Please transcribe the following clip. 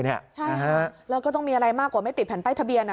ใช่ฮะแล้วก็ต้องมีอะไรมากกว่าไม่ติดแผ่นป้ายทะเบียน